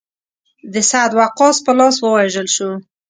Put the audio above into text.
د سعد وقاص په لاس ووژل شو.